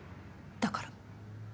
だから。